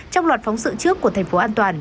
trong loạt phóng sự trước của thành phố an toàn